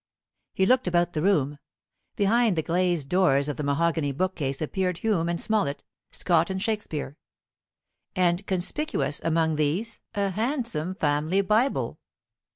He looked about the room. Behind the glazed doors of the mahogany bookcase appeared Hume and Smollett, Scott and Shakespeare; and conspicuous among these a handsome family Bible.